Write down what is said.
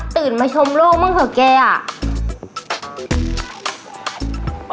ตื่นมาชมโลกบ้างเถอะแกอ่ะ